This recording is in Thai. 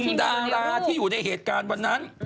ดาราที่อยู่ในเหตุการณ์วันนั้น